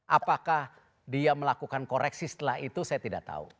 apakah dia melakukan koreksi setelah itu saya tidak tahu